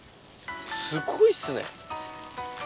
すごいっすね。